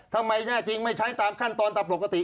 ทำไมแน่จริงไม่ใช้ตามขั้นตอนตามปกติ